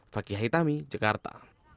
fakih hitami jakarta